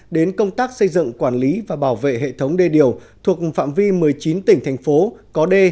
đến công tác xây dựng quản lý và bảo vệ hệ thống đê điều thuộc phạm vi một mươi chín tỉnh thành phố có đê